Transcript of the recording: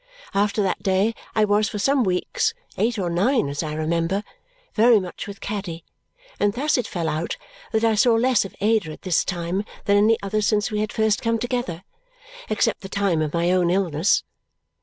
After that day I was for some weeks eight or nine as I remember very much with Caddy, and thus it fell out that I saw less of Ada at this time than any other since we had first come together, except the time of my own illness.